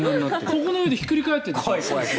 ここの上でひっくり返っているんでしょ。